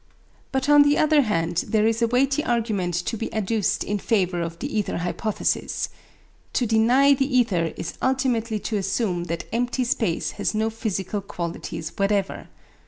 But on the other hand there is a weighty argument to be adduced in favour of the ether hypothesis. To deny the ether is ultimately to assume that empty space has no physical qualities whatever.